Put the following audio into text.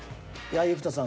生田さん